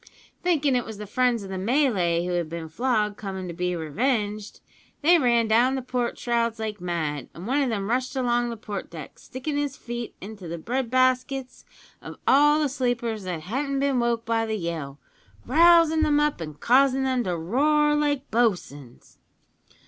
Thinking it was the friends of the Malay who had been flogged coming to be revenged, they ran down the port shrouds like mad, and one o' them rushed along the port deck, stickin' his feet into the bread baskets of all the sleepers that hadn't been woke by the yell, rousin' them up an' causin' them to roar like bo'suns.